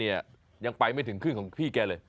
ยังไปไม่ถึงครึ่งของพี่แกเลย